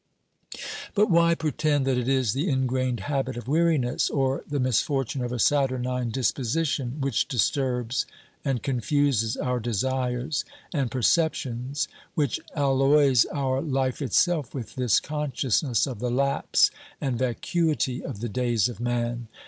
But why pretend that it is the ingrained habit of weariness, or the misfortune of a saturnine disposition, which disturbs and confuses our desires and perceptions, which alloys our life itself with this consciousness of the lapse and vacuity of the days of man